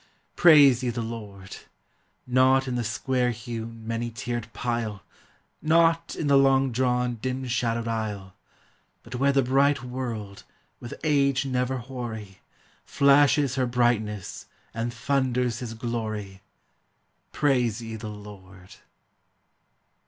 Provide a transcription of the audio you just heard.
Praise ye the Lord! Not in the square hewn, many tiered pile, Not in the long drawn, dim shadowed aisle, But where the bright world, with age never hoary, Flashes her brightness and thunders his glory, Praise ye the Lord!